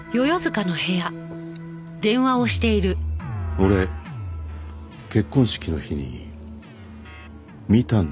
俺結婚式の日に見たんですよ。